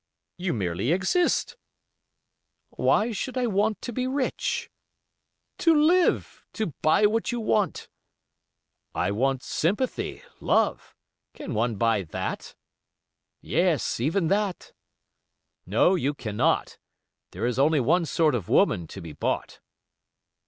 "You merely exist." "Why should I want to be rich?" "To live—to buy what you want." "I want sympathy, love; can one buy that?" "Yes—even that." "No, you cannot. There is only one sort of woman to be bought."